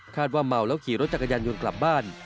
ว่าเมาแล้วขี่รถจักรยานยนต์กลับบ้าน